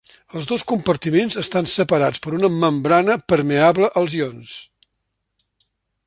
Els dos compartiments estan separats per una membrana permeable als ions.